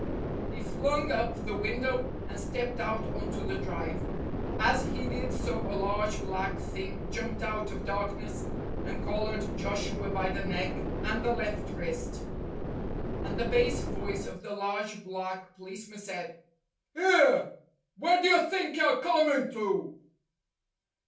He flung up the window and stepped out on to the drive. As he did so a large black thing jumped out of darkness and collared Joshua by the neck and the left wrist. And the bass voice of the large black policeman said :" 'Ere, where do you think you're comin' to?"